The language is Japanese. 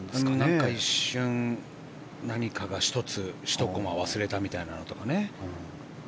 何か一瞬、何かが１つ１コマ忘れたみたいなね。